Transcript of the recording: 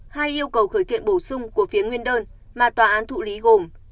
hai yêu cầu khởi kiện bổ sung của phía nguyên đơn mà tòa án thụ lý gồm